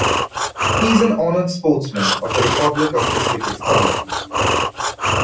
He is an Honored Sportsman of the Republic of Uzbekistan.